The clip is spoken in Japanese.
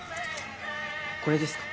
これですか？